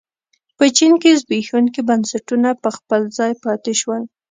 په چین کې زبېښونکي بنسټونه په خپل ځای پاتې شول.